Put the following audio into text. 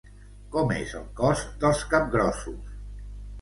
Com és el cos dels capgrossos?